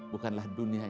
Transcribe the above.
bukanlah diri kami